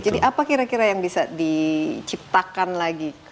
jadi apa kira kira yang bisa diciptakan lagi